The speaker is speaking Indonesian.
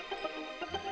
kepala kota garut